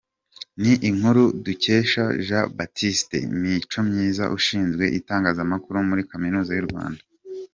Ni inkuru dukesha : Jean Baptiste Micomyiza ushinzwe itangazamakuru muri Kaminuza y’u Rwanda.